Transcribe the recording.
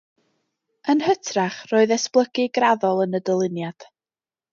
Yn hytrach, roedd esblygu graddol yn y dyluniad.